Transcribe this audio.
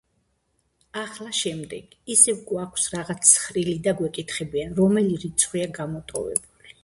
ახლა შემდეგი; ისევ გვაქვს რაღაც ცხრილი და გვეკითხებიან, რომელი რიცხვია გამოტოვებული.